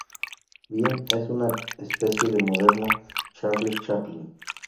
Bean es una especie de moderno Charles Chaplin.